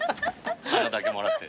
花だけもらって。